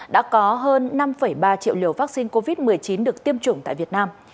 đã có hơn năm ba triệu liều vaccine covid một mươi chín được tiêm chủng tại việt nam